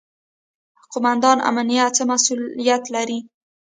قوماندان امنیه څه مسوولیت لري؟